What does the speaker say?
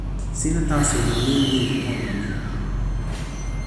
sina taso li mun lili pona mi.